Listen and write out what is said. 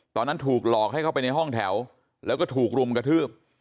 ตอนนั้นถูกหลอกให้เข้าไปในห้องแถวแล้วก็ถูกรุมกระทืบ